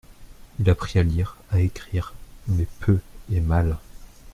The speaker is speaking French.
Il apprit à lire, à écrire, mais peu et mal.